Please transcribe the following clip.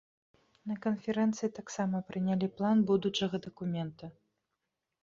На канферэнцыі таксама прынялі план будучага дакумента.